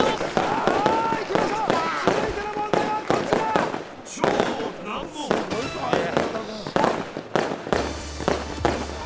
さあいきましょう続いての問題はこちらすごい後半戦涼太郎君しゃあ！